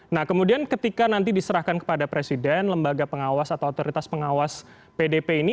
nah kemudian ketika nanti diserahkan kepada presiden lembaga pengawas atau otoritas pengawas pdp ini